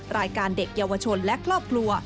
รายการเด็กเยาวชนและครอบครัว